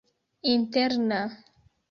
interna